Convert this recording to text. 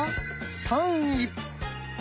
３位。